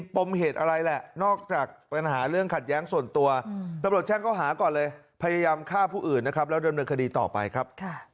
ผมเห็นเขารอบนึงใช่ครับ